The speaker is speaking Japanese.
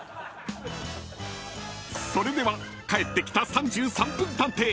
［それでは帰ってきた『３３分探偵』